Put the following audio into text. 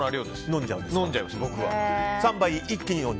飲んじゃいます、僕は。